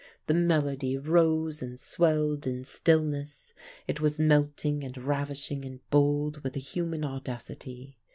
The melody rose and swelled in stillness; it was melting and ravishing and bold with a human audacity.